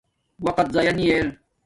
وقت ضایہ نی ار